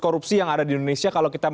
korupsi yang ada di indonesia kalau kita